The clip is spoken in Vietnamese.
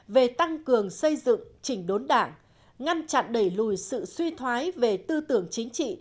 về tăng cường xây dựng chỉnh đốn đảng ngăn chặn đẩy lùi sự suy thoái về tư tưởng chính trị